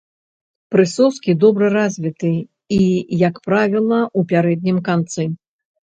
Прысоскі добра развіты і, як правіла, у пярэднім канцы.